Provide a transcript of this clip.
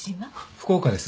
福岡です。